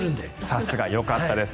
さすがよかったです。